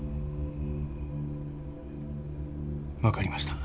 分かりました。